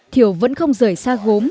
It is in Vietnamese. thiều vẫn không rời xa gốm